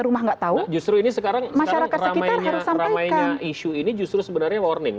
rumah enggak tahu justru ini sekarang masyarakat sekitar sampai isu ini justru sebenarnya warning